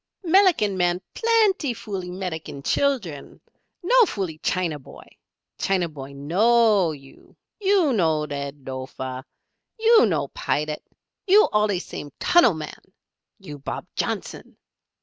"Melican man plenty foolee Melican chillern. No foolee China boy! China boy knowee you. You no Led Lofer. You no Pilat you allee same tunnel man you Bob Johnson!